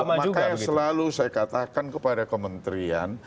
makanya selalu saya katakan kepada kementrian